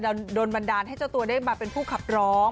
โดนบันดาลให้เจ้าตัวได้มาเป็นผู้ขับร้อง